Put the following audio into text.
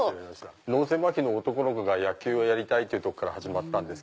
脳性まひの男の子が野球をやりたいってとこから始まった。